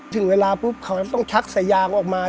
ถึงเวลาปุ๊บเขาต้องชักสายางออกมา